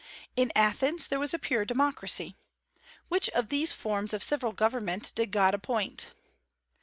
In Athens there was a pure democracy. Which of these forms of civil government did God appoint?